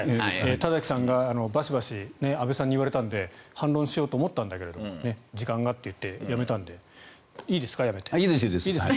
田崎さんがバシバシ安部さんに言われたので反論しようと思ったんだけど時間がといってやめたのでいいです、いいです。